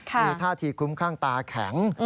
มีท่าทีคุ้มข้างตาแข็ง